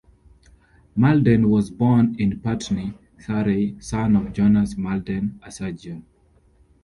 Malden was born in Putney, Surrey, son of Jonas Malden, a surgeon.